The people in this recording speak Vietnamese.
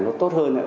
nó tốt hơn